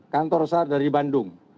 kantor sar dari bandung